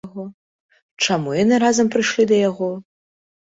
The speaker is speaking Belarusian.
Чаму яны разам прыйшлі да яго?